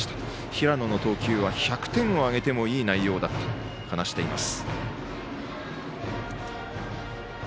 平野の投球は、１００点をあげてもいい内容だったと話しています。